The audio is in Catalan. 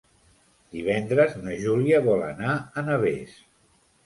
Divendres na Júlia vol anar a Navès.